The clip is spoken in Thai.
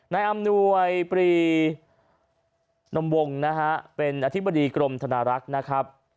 นายอำนวยปรีนมวงนะฮะเป็นอธิบดีกรมธนารักษ์นะครับ